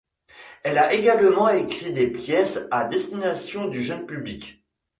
Elle a également écrit des pièces à destination du jeune public.